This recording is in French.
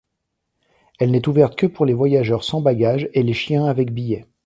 Elle n'est ouverte que pour les voyageurs sans bagages et les chiens avec billets.